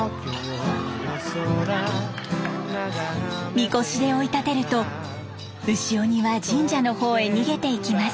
みこしで追い立てると牛鬼は神社のほうへ逃げていきます。